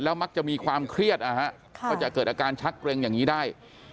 แล้วมักจะมีความเครียดจะเกิดอาการชักเวรอย่างนี้ได้